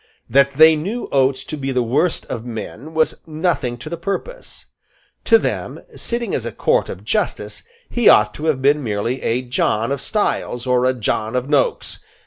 That they knew Oates to be the worst of men was nothing to the purpose. To them, sitting as a court of justice, he ought to have been merely a John of Styles or a John of Nokes.